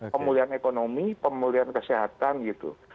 pemulihan ekonomi pemulihan kesehatan gitu